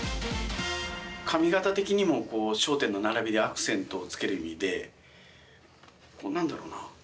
髪形的にも笑点の並びでアクセントをつける意味で、なんだろうな。